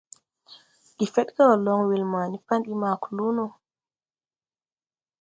Gefedgew loŋ weel ma ni pan bi ma kluu no.